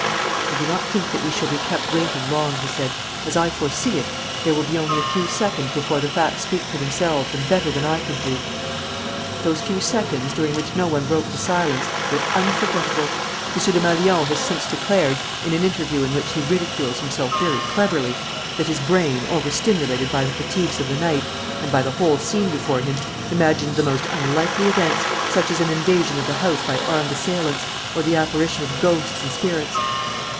"I do not think that we shall be kept waiting long," he said. "As I foresee it, there will be only a few seconds before the facts speak for themselves and better than I could do." Those few seconds, during which no one broke the silence, were unforgettable. M. Desmalions has since declared, in an interview in which he ridicules himself very cleverly, that his brain, over stimulated by the fatigues of the night and by the whole scene before him, imagined the most unlikely events, such as an invasion of the house by armed assailants, or the apparition of ghosts and spirits.